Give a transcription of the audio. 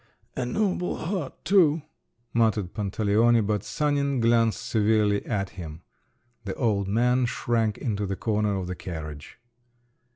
"A noble heart too," muttered Pantaleone; but Sanin glanced severely at him…. The old man shrank into the corner of the carriage.